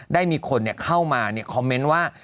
ได้มีคนเนี่ยเข้ามาเนี่ยคอมเมนต์ว่า